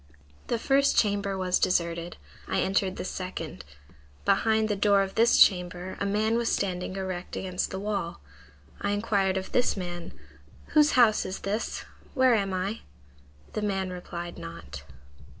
"The first chamber was deserted. I entered the second. Behind the door of this chamber a man was standing erect against the wall. I inquired of this man, 'Whose house is this? Where am I?' The man replied not.